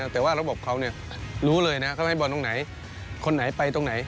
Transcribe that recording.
แต่ว่าระบบเขารู้เลยนะเขาให้บอลตรงไหนคนไหนไปตรงไหน